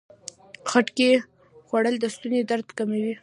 د خټکي خوړل د ستوني درد کموي.